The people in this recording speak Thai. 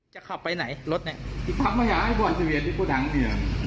จะขับไปไหนรถนี้